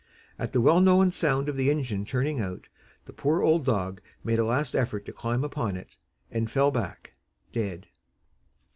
At the well known sound of the engine turning out, the poor old dog made a last effort to climb upon it, and fell back dead.